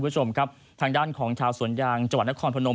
ทางด้านของชาวสวนยางจังหวัดนครพนม